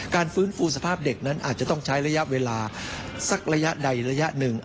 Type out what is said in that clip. ฟื้นฟูสภาพเด็กนั้นอาจจะต้องใช้ระยะเวลาสักระยะใดระยะหนึ่ง